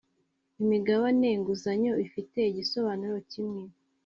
Imigabane nguzanyo ifite igisobanuro kimwe